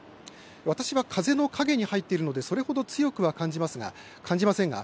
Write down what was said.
私は風の影に入っているのでそれほど強くは感じませんが